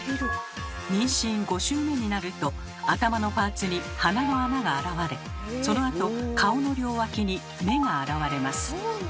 妊娠５週目になると頭のパーツに鼻の穴が現れそのあと顔の両脇に目が現れます。